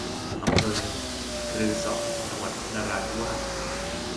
อำเภอรือเสาะ จังหวัดนราธิวาส